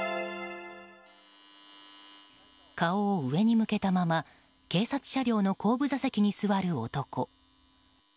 顔を上に向けたまま警察車両の後部座席に座る男。